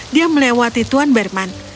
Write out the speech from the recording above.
dia melewati tuan berman